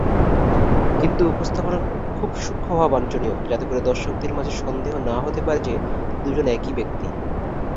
কিন্তু উপস্থাপনা খুব সূক্ষ্ম হওয়া বাঞ্ছনীয় যাতে করে দর্শকদের মাঝে সন্দেহ না হতে পারে যে দুজন একই ব্যক্তি।